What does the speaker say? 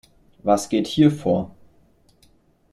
Was geht hier vor?